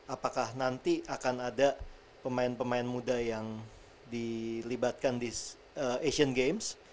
apakah nanti akan ada pemain pemain muda yang dilibatkan di asian games